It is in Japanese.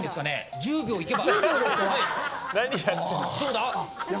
１０秒いけば。